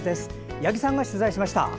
八木さんが取材しました。